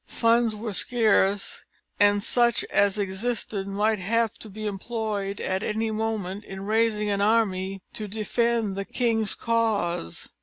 Funds were scarce, and such as existed might have to be employed at any moment in raising an army to defend the king's cause.